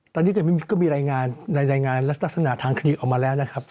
ตอนนี้ก็มีรายงานรักษณะทางคลิกออกมาแล้วนะครับ